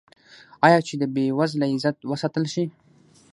آیا چې د بې وزله عزت وساتل شي؟